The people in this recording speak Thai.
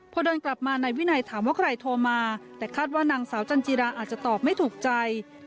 พอเดินกลับมานายวินัยถามว่าใครโทรมาแต่คาดว่านางสาวจันจิราอาจจะตอบไม่ถูกใจ